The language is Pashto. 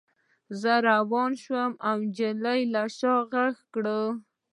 زه روان شوم او نجلۍ له شا را غږ کړ